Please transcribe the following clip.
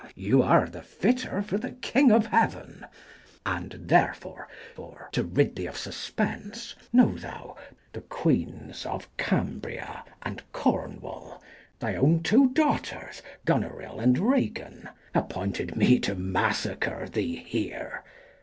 Mess. You are the fitter for the King of heaven : And therefore, for to rid thee of suspense, Know thou, the queens of Cambria and Cornwall, 165 Thy own two daughters, Gonorill and Ragan, M Appointed me to massacre thee here.